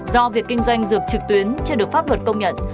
do việc kinh doanh dược trực tuyến chưa được pháp luật công nhận